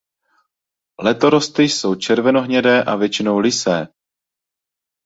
Letorosty jsou červenohnědé a většinou lysé.